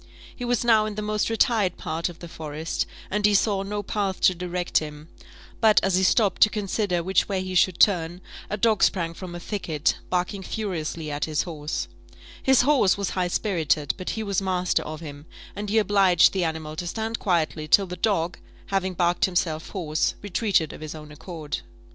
He was now in the most retired part of the forest, and he saw no path to direct him; but, as he stopped to consider which way he should turn, a dog sprang from a thicket, barking furiously at his horse: his horse was high spirited, but he was master of him, and he obliged the animal to stand quietly till the dog, having barked himself hoarse, retreated of his own accord.